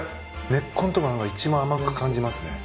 根っこのとこが何か一番甘く感じますね。